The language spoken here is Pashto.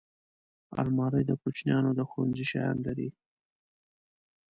الماري د کوچنیانو د ښوونځي شیان لري